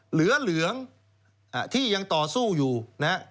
เหลือเหลืองที่ยังต่อสู้อยู่นะฮะ